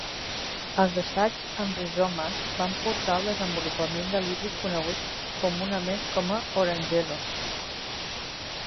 Els assaigs amb rizomes van portar al desenvolupament de l'híbrid conegut comunament com a orangelo.